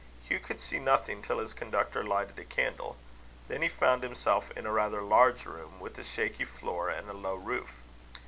Hugh could see nothing till his conductor lighted a candle. Then he found himself in a rather large room with a shaky floor and a low roof.